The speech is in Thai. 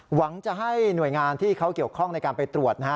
หวังจะให้หน่วยงานที่เขาเกี่ยวข้องในการไปตรวจนะฮะ